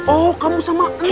oh kamu sama en